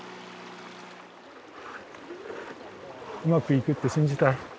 うまくいくって信じたい。